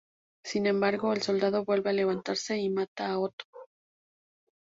Sin embargo, el soldado vuelve a levantarse y mata a Otto.